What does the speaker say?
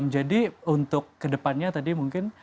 jadi untuk kedepannya tadi mungkin